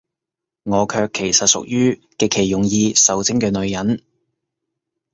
我卻其實屬於，極其容易受精嘅女人